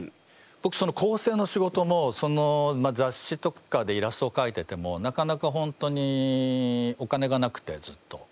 ぼくその構成の仕事もざっしとかでイラストをかいててもなかなか本当にお金がなくてずっと。